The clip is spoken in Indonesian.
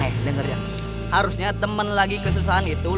terima kasih sayang